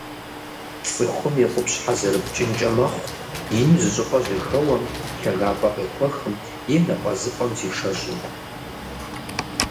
Цӏыхум и къупщхьэ зэрыпкӏынкӏэ мэхъу ину зыщӏыпӏэ жьэхэуэм, лъагапӏэ къехуэхым е напӏэзыпӏэм зишэщӏым.